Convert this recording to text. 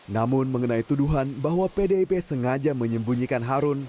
namun mengenai tuduhan bahwa pdip sengaja menyembunyikan harun